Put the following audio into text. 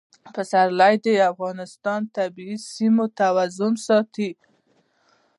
پسرلی د افغانستان د طبعي سیسټم توازن ساتي.